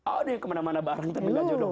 ada yang kemana mana bareng tapi gak jodoh